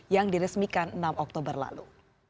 yang diresmikan enam oktober lalu